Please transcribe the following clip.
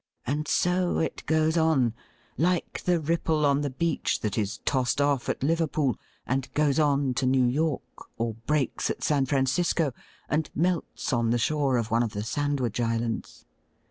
And so it goes on, like the ripple on the beach that is tossed oiF at Liverpool and goes on to New York, or breaks at San Francisco, and melts on the shore of one of the Sandwich Islands.